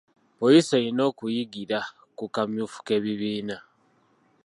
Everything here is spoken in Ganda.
Poliisi erina okuyigira ku kamyufu k'ebibiina.